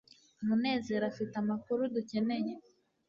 munezero afite amakuru dukeneye